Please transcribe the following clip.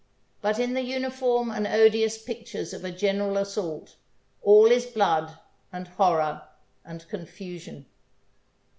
But in the uniform and odious pictures of a general assault, all is blood, and horror, and con fusion.